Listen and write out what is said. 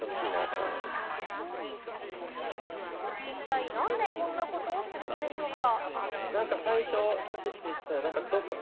一体、何でこんなことをするのでしょうか？